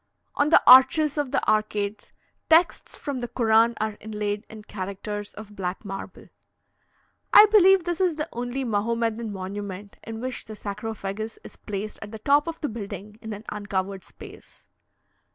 On the arches of the arcades, texts from the Koran are inlaid in characters of black marble. I believe this is the only Mahomedan monument in which the sarcophagus is placed at the top of the building in an uncovered space.